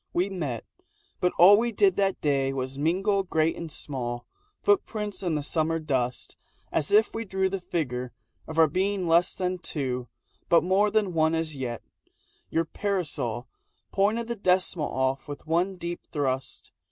We met. But all We did that day was mingle great and small Footprints in summer dust as if we drew The figure of our being less than two But more than one as yet. Your parasol Pointed the decimal off with one deep thrust.